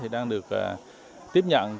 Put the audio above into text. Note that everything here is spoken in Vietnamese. đang được tiếp nhận